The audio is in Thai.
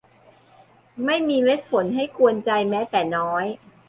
ไม่มีเม็ดฝนให้กวนใจแม้แต่น้อย